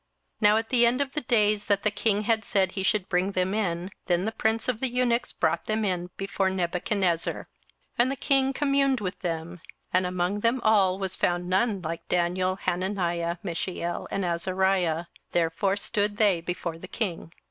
27:001:018 Now at the end of the days that the king had said he should bring them in, then the prince of the eunuchs brought them in before Nebuchadnezzar. 27:001:019 And the king communed with them; and among them all was found none like Daniel, Hananiah, Mishael, and Azariah: therefore stood they before the king.